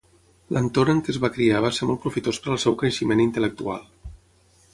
L'entorn en què es va criar va ser molt profitós per al seu creixement intel·lectual.